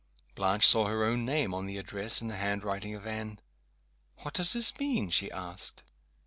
Blanche saw her own name, on the address, in the handwriting of Anne. "What does this mean?" she asked.